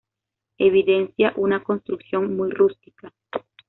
Evidencia una construcción muy rústica.